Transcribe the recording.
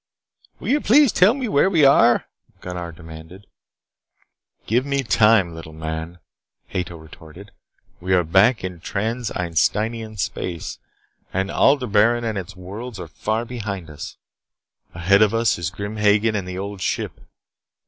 "Will you please tell me where we are?" Gunnar demanded. "Give me time, little man," Ato retorted. "We are back in Trans Einsteinian space, and Aldebaran and its worlds are far behind us. Ahead of us is Grim Hagen and the Old Ship.